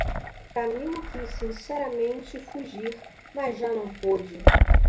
Camilo quis sinceramente fugir, mas já não pôde.